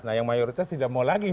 nah yang mayoritas tidak mau lagi